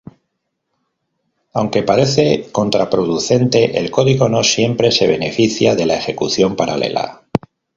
Aunque parece contraproducente, el código no siempre se beneficia de la ejecución paralela.